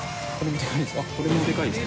海譴でかいですね。